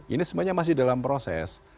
ini semuanya masih dalam proses